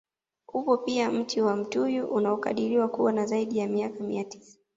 Upo pia mti wa mtuyu unaokadiriwa kuwa na zaidi ya miaka mia sita